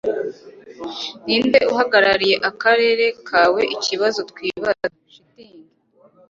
Ninde uhagarariye akarere kaweikibazo twibaza (shitingi)